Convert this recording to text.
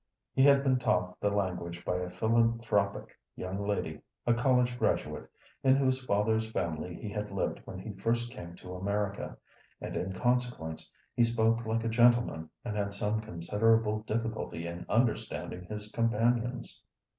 He had been taught the language by a philanthropic young lady, a college graduate, in whose father's family he had lived when he first came to America, and in consequence he spoke like a gentleman and had some considerable difficulty in understanding his companions.